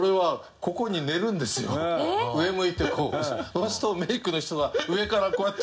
そうするとメイクの人が上からこうやって。